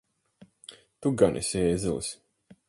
Tu gan esi ēzelis!